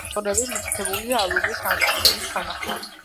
ავტორები მითითებულია ალბომის ანოტაციების თანახმად.